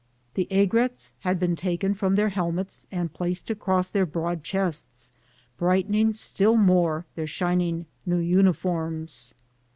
The aigret had been taken from the helmet and placed across their broad chests, brightening still more their shining new uniforms.